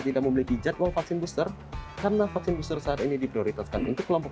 tidak memiliki jadwal vaksin booster karena vaksin booster saat ini diprioritaskan untuk kelompok